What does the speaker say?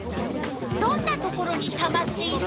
どんなところにたまっている？